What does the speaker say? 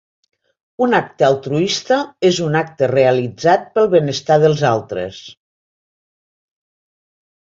Un acte altruista és un acte realitzat pel benestar dels altres.